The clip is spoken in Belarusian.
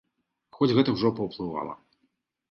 Хоць гэта ўжо паўплывала.